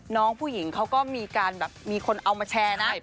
น้องผู้หญิงเขาก็มีการแบบมีคนเอามาแชร์นะ